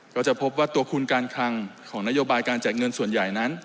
ก็จะพบว่าตัวคุณการคลังของนโยบายการแจกเงินส่วนใหญ่นั้น